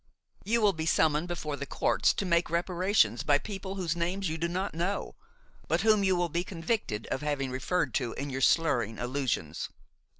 You will be summoned before the courts to make reparations by people whose names you do not know, but whom you will be convicted of having referred to in your slurring allusions.